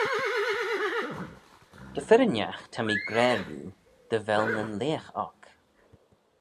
Dy firrinagh ta mee gra riu, dy vel nyn leagh oc.